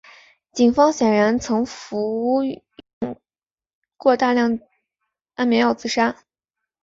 警方显然曾服用过量的安眠药自杀。